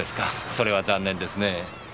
それは残念ですね。